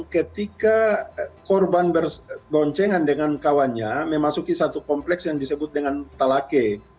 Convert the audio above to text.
ketika korban berboncengan dengan kawannya memasuki satu kompleks yang disebut dengan talake